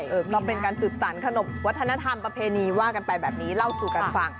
ก็เป็นการสืบสารขนบวัฒนธรรมประเพณีว่ากันไปแบบนี้เล่าสู่กันฟัง